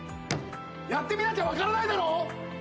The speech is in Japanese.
やってみなきゃ分からないだろ！